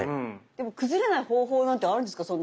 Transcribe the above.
でも崩れない方法なんてあるんですか？